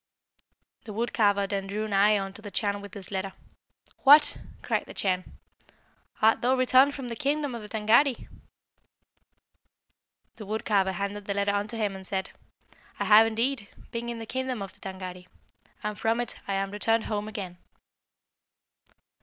"The wood carver then drew nigh unto the Chan with this letter. 'What!' cried the Chan, 'art thou returned from the kingdom of the Tângâri?' The wood carver handed the letter unto him, and said, 'I have, indeed, been in the kingdom of the Tângâri, and from it I am returned home again.'